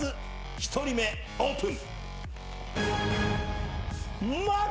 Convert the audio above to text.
２枚目オープン。